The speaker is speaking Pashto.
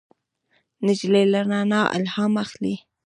نجلۍ له رڼا الهام اخلي.